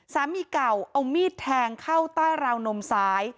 สามีเก่าเอามีดแทงเข้าใต้ราวนมซ้าย